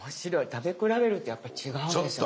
食べ比べるとやっぱり違うんですね。